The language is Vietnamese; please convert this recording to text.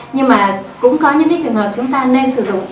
nhưng mà cũng có những cái trường hợp chúng ta nên sử dụng